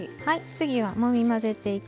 はい。